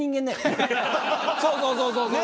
そうそうそうそう。